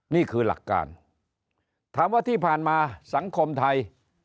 นี่คือหลักการถามว่าที่ผ่านมาสังคมไทย